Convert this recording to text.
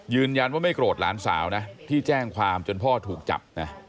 ไม่โกรธหลานสาวนะที่แจ้งความจนพ่อถูกจับนะ